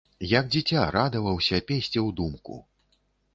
Як дзіця, радаваўся, песціў думку.